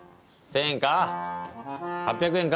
１０００円か？